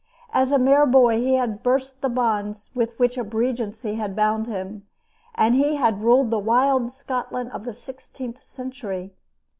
As a mere boy he had burst the bonds with which a regency had bound him, and he had ruled the wild Scotland of the sixteenth century.